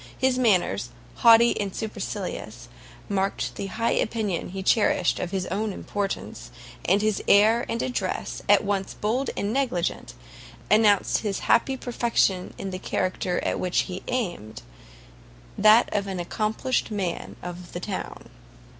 His manners, haughty and supercilious, marked the high opinion he cherished of his own importance; and his air and address, at once bold and negligent, announced his happy perfection in the character at which he aimed, that of an accomplished man of the town.